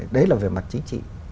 đấy là về mặt chính trị